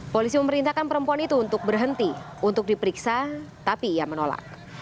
polisi memerintahkan perempuan itu untuk berhenti untuk diperiksa tapi ia menolak